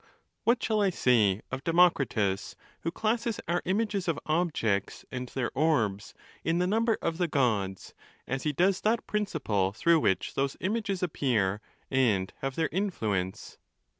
What shall I say of Democritus, who classes our images of objects, and their orbs, in the number of the Gods ; as he does that principle through which those images appear and have their influence?